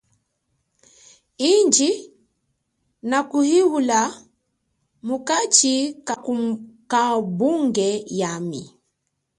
Indji nakulihula mukachi kabunge yami.